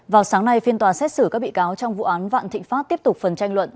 vào sáng nay phiên tòa xét xử các bị cáo trong vụ án vạn thịnh pháp tiếp tục phần tranh luận